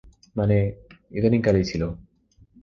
মানে, ইদানীং কালেই ছিল।